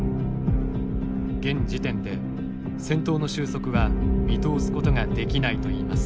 現時点で戦闘の収束は見通すことができないといいます。